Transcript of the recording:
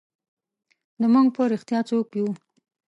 نو موږ په رښتیا څوک یو؟